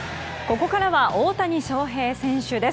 ここからは大谷翔平選手です。